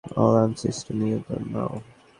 Alarm system, নিষ্ক্রিয় হও।